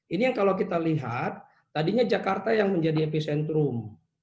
ini yang kalau kita lihat tadinya jakarta yang menjadi epicentrum